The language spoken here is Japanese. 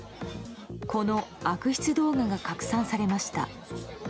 この悪質動画が拡散されました。